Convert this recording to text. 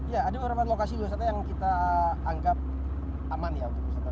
ya ada beberapa lokasi wisata yang kita anggap aman ya untuk wisatawan